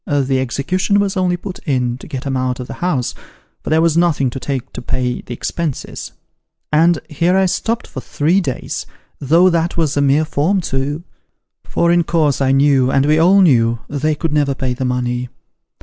The execution was only put in, to get 'em out of the house, for there was nothing to take to pay the expenses; and here I stopped for three days, though that was a mere form too : for, in course, I knew, and we all knew, they could never pay the money.